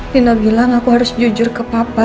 fina bilang aku harus jujur ke papa